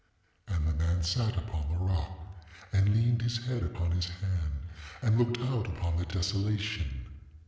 ŌĆ£And the man sat upon the rock, and leaned his head upon his hand, and looked out upon the desolation.